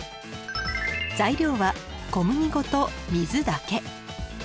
材料は小麦粉と水だけ。